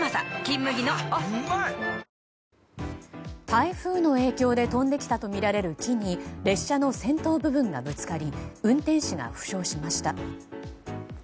台風の影響で飛んできたとみられる木に列車の先頭部分がぶつかり運転手が負傷しました。